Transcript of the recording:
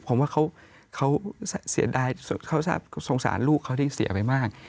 ผมว่าเขาเสียดายเขาทราบสงสารลูกเขาที่เสียไปมาก